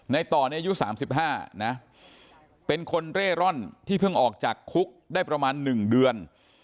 ในตอนนี้อายุ๓๕นะเป็นคนเร่ร่อนที่เพิ่งออกจากคุกได้ประมาณ๑เดือน